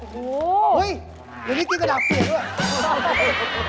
เดี๋ยวนี่กินกระดาษเกลียดด้วย